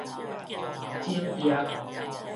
整頁